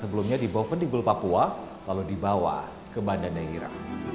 sebelumnya dibawa pendibull papua lalu dibawa ke banda neira